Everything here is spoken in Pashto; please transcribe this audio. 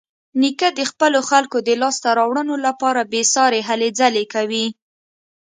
نیکه د خپلو خلکو د لاسته راوړنو لپاره بېسارې هلې ځلې کوي.